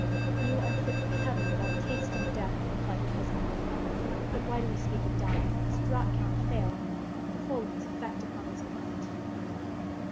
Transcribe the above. "You are fit for heaven without tasting death!" replied her husband "But why do we speak of dying? The draught cannot fail. Behold its effect upon this plant."